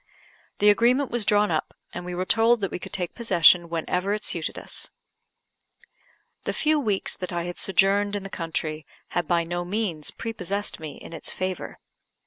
The agreement was drawn up, and we were told that we could take possession whenever it suited us. The few weeks that I had sojourned in the country had by no means prepossessed me in its favour.